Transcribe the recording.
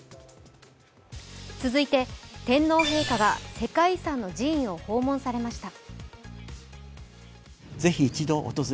続いて、天皇陛下が世界遺産の寺院を訪問されました。